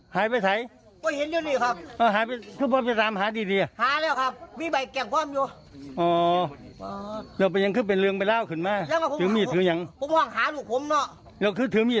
ให้สีกุดแจ้งด้วยให้กุดแจ้งด้วย